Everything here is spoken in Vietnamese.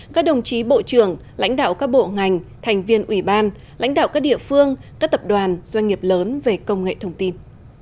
các đồng chí bộ trưởng lãnh đạo các bộ ngành thành viên ủy ban lãnh đạo các địa phương các tập đoàn doanh nghiệp lớn về công nghệ thông tin